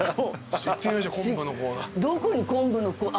どこに昆布の。